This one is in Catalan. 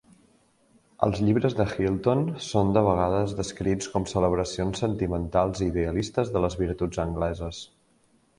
Els llibres de Hilton són de vegades descrits com celebracions sentimentals i idealistes de les virtuts angleses.